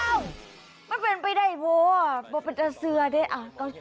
เอ้ามันเป็นไปได้บุ๊บอกว่าเป็นอัศวินภัณฑ์เลย